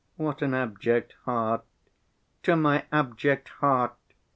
"What an abject heart! To my abject heart!"